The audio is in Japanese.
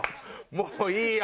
もういいよ！